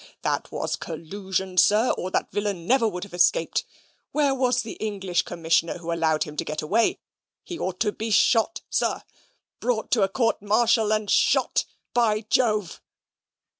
There was collusion, sir, or that villain never would have escaped. Where was the English Commissioner who allowed him to get away? He ought to be shot, sir brought to a court martial, and shot, by Jove."